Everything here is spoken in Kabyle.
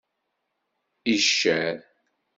Iccer.